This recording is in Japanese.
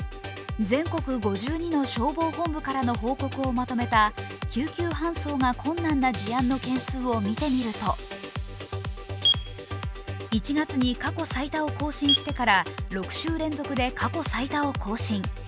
全国５２の消防本部からの報告をまとめた救急搬送が困難な事案の件数を見てみると、１月に過去最多を更新してから６週連続で過去最多を更新。